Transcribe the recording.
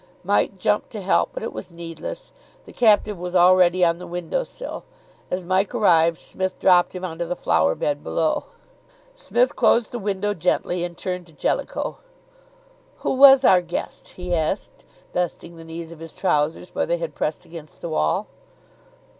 Mike jumped to help, but it was needless; the captive was already on the window sill. As Mike arrived, Psmith dropped him on to the flower bed below. Psmith closed the window gently and turned to Jellicoe. "Who was our guest?" he asked, dusting the knees of his trousers where they had pressed against the wall.